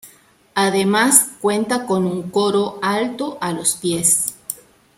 Además cuenta con un coro alto a los pies.